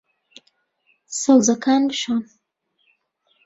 سەوزەکان بشۆن.